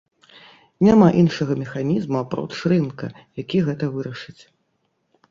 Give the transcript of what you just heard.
Няма іншага механізму, апроч рынка, які гэта вырашыць.